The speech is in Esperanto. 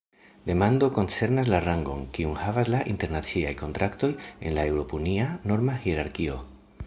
Demando koncernas la rangon, kiun havas la internaciaj kontraktoj en la eŭropunia norma hierarkio.